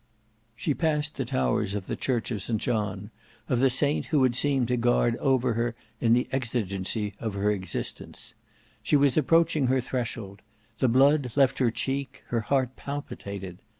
She passed the towers of the church of St John: of the saint who had seemed to guard over her in the exigency of her existence. She was approaching her threshold; the blood left her cheek, her heart palpitated.